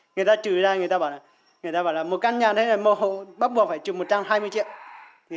người ta trừ ra người ta bảo là người ta bảo là một căn nhà thế này một hộ bắt buộc phải trừ một trăm hai mươi triệu